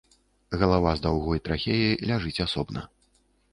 Галава з даўгой трахеяй ляжыць асобна.